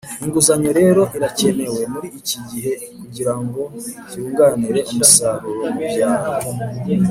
inguzanyo rero irakenewe muri iki gihe kugirango yunganire umusaruro mu byaro.